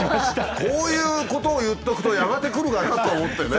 こういうことを言っとくとやがて来るかなと思ってね